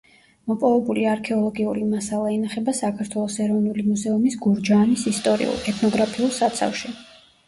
მოპოვებული არქეოლოგიური მასალა ინახება საქართველოს ეროვნული მუზეუმის გურჯაანის ისტორიულ, ეთნოგრაფიულ საცავში.